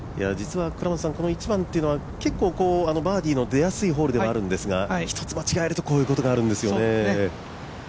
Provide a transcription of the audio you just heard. １番はバーディーの出やすいホールではあるんですが一つ間違えると、こういうことがあるんですよね。